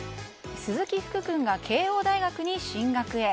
鈴木福君が慶應大学に進学へ。